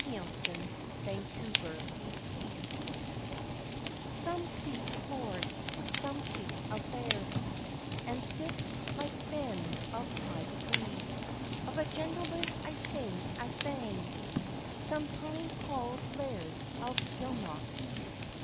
JOHNNIE ARMSTRANG SOME speak of lords, some speak of lairds, And sic like men of high degree; Of a gentleman I sing a sang, Some time call'd Laird of Gilnockie.